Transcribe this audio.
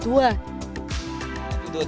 itu dikasih kaosnya yang berkualitas